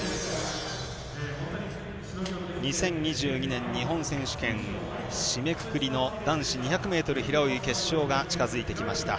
２０２２年日本選手権締めくくりの男子２００ｍ平泳ぎ決勝が近づいてきました。